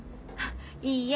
いいえ